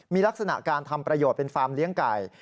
มีลักษณะการทำประโยชน์เป็นฟาร์มเลี้ยงไก่